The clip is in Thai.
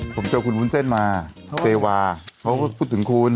ผมเจอคุณวุ้นเส้นมาเจวาเขาก็พูดถึงคุณ